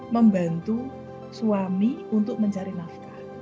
membantu suami untuk mencari nafkah